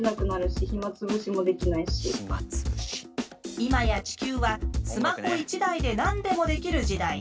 今や地球はスマホ１台で何でもできる時代。